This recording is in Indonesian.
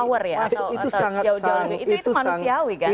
jauh mendapatkan power ya